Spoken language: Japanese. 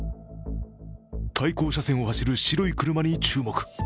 対向車線を走る白い車に注目。